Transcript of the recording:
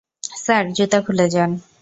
Sir, জুতা খুলে যান।